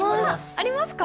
ありますか？